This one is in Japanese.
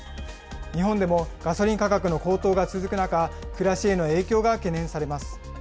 日本でもガソリン価格の高騰が続く中、暮らしへの影響が懸念されます。